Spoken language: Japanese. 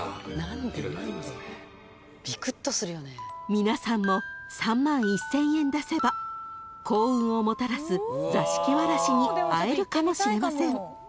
［皆さんも３万１，０００円出せば幸運をもたらす座敷わらしに会えるかもしれません］